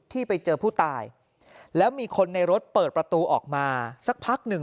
ที่ไปเจอผู้ตายแล้วมีคนในรถเปิดประตูออกมาสักพักหนึ่ง